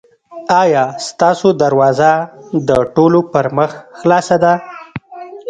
ایا ستاسو دروازه د ټولو پر مخ خلاصه ده؟